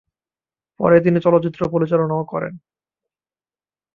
পরে তিনি চলচ্চিত্র পরিচালনাও করেন।